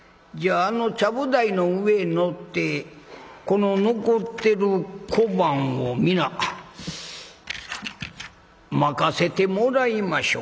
じゃああのちゃぶ台の上へ乗ってこの残ってる小判を皆まかせてもらいましょうかな。